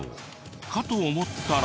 かと思ったら。